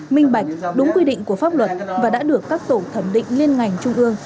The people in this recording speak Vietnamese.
minh bạch đúng quy định của pháp luật và đã được các tổ thẩm định liên ngành trung ương